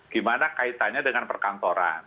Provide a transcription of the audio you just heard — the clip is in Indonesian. gimana kaitannya dengan perkantoran